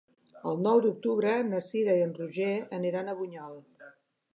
El nou d'octubre na Cira i en Roger aniran a Bunyol.